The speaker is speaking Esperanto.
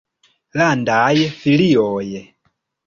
landaj filioj.